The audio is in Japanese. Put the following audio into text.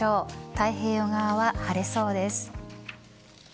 太平洋側は晴れそうです。